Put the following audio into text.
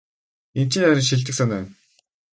Энэ чинь харин шилдэг санаа байна.